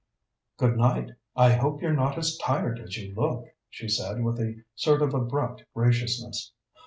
"Good night. I hope you're not as tired as you look," she said with a sort of abrupt graciousness.